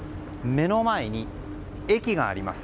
目の前に駅があります。